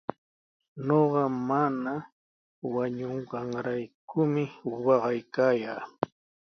Ñuqa mamaa wañunqanraykumi waqaykaa.